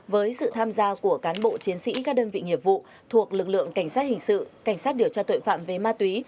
với sự tham gia của cán bộ chiến sĩ các đơn vị nghiệp vụ thuộc lực lượng cảnh sát hình sự cảnh sát điều tra tội phạm về ma túy